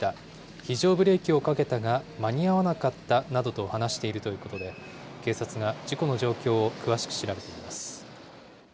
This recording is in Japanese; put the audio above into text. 非常ブレーキをかけたが間に合わなかったなどと話しているということで、警察が事故の状況を詳しく調べています。